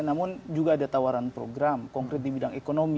namun juga ada tawaran program konkret di bidang ekonomi